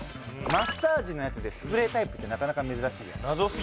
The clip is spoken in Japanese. マッサージのやつでスプレータイプってなかなか珍しいじゃないですか